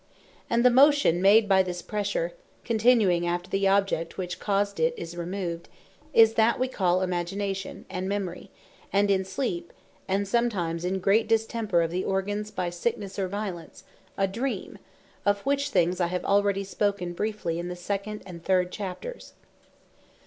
And the motion made by this pressure, continuing after the object which caused it is removed, is that we call Imagination, and Memory, and (in sleep, and sometimes in great distemper of the organs by Sicknesse, or Violence) a Dream: of which things I have already spoken briefly, in the second and third Chapters.